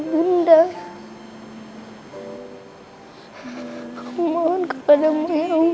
mencari orang orang baik di hidup aku